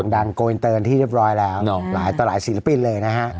โกยเตินที่เรียบร้อยแล้วหลายต่อหลายศิลปินเลยนะฮะ